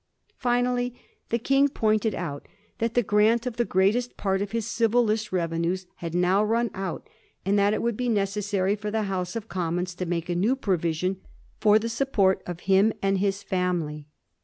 Finally, the King pointed out that the grant of the greatest part of his Civil List revenues had now run out, and that it would be necessary for the House of Commons to make a new provision for the support of him and of his family.